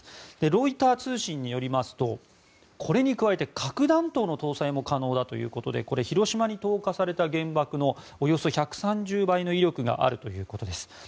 ロイター通信によりますとこれに加えて核弾頭の搭載も可能だということでこれ、広島に投下された原爆のおよそ１３０倍の威力があるということです。